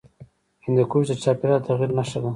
هندوکش د چاپېریال د تغیر نښه ده.